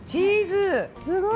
すごい。